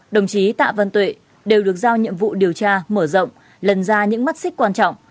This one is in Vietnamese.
đồng chí tạ văn tuệ đều được giao nhiệm vụ điều tra mở rộng lần ra những mắt xích quan trọng